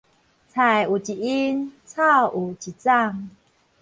菜有一絪，草有一摠